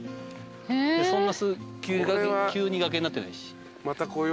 そんな急に崖になってないし。